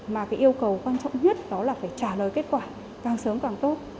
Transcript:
mà cái yêu cầu quan trọng nhất đó là phải trả lời kết quả càng sớm càng tốt